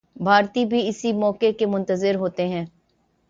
اور بھارتی بھی اسی موقع کے منتظر ہوتے ہیں۔